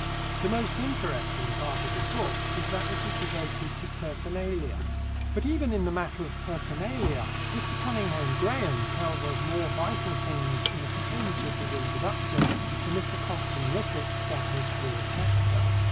The most interesting part of the book is that which is devoted to personalia. But even in the matter of personalia Mr. Cunninghame Graham tells us more vital things in a page of his introduction than Mr. Compton Rickett scatters through a chapter.